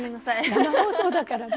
生放送だからね。